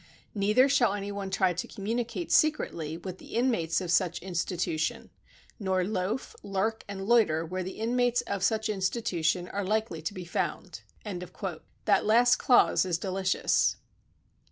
Neither shall any one try to communicate secretly with the inmates of such institution nor loaf, lurk and loiter where the inmates of such institution are likely to be found." The last clause is delicious.